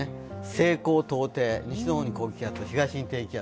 西高東低、西の方に高気圧、東に低気圧。